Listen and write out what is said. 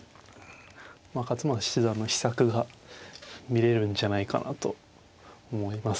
勝又七段の秘策が見れるんじゃないかなと思います。